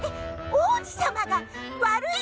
おうじさまがわるい